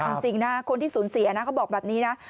เอาจริงนะคนที่สูญเสียนะเขาบอกแบบนี้นะ